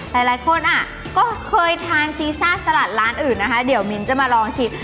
หลายคนอ่ะก็เคยทานซีซ่าสลัดร้านอื่นนะคะเดี๋ยวมิ้นจะมาลองชิม